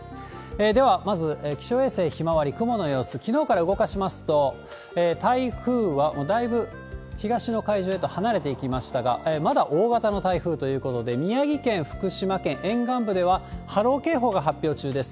では、まず気象衛星ひまわり、雲の様子、きのうから動かしますと、台風はもうだいぶ東の海上へと離れていきましたが、まだ大型の台風ということで、宮城県、福島県、沿岸部では波浪警報が発表中です。